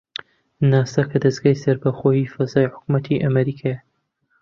ناسا کە دەزگای سەربەخۆی فەزای حکوومەتی ئەمریکایە